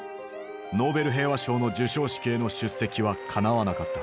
ノーベル平和賞の授賞式への出席はかなわなかった。